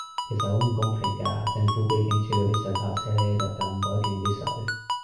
其實好唔公平架，政府比警署嗰啲水炮車呢就咁鬼勁啲水